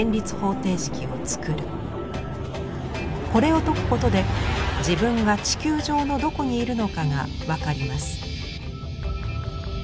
これを解くことで自分が地球上のどこにいるのかがわかります。